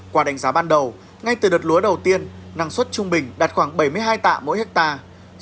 qua đánh giá ban đầu ngay từ đợt lúa đầu tiên năng suất trung bình đạt khoảng bảy mươi hai tạ mỗi hectare